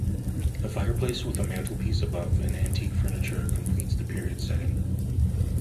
A fireplace with a mantelpiece above and antique furniture completes the period setting.